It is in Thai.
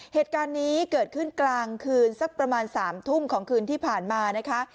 เหตุการณ์นี้เกิดขึ้นกลางคืนสักประมาณ๓ทุ่มของคืนที่ผ่านมานะคะ